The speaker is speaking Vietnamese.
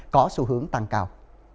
có xu hướng tăng cao